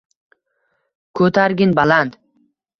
Ko’targin baland